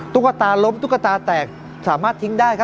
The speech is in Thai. ตุ๊กตาล้มตุ๊กตาแตกสามารถทิ้งได้ครับ